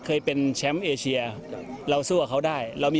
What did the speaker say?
ก็มีนะครับ